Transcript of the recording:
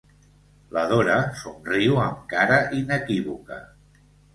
La Dora somriu amb cara inequívoca.